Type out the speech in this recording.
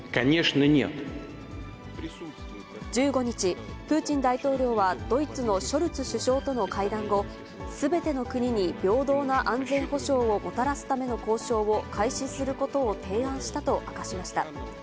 １５日、プーチン大統領はドイツのショルツ首相との会談後、すべての国に平等な安全保障をもたらすための交渉を開始することを提案したと明かしました。